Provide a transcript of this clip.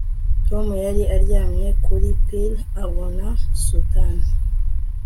tom yari aryamye kuri pir abona suntan